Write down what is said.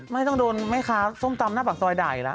ไม่ต้องโดนไม่คาซมซำหน้าสอยด่ายละ